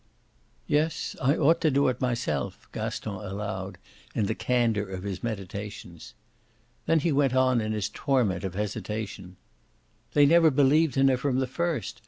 "Yes, I ought to do it myself," Gaston allowed in the candour of his meditations. Then he went on in his torment of hesitation: "They never believed in her from the first.